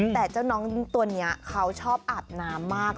แต่เจ้าน้องตัวนี้เขาชอบอาบน้ำมาก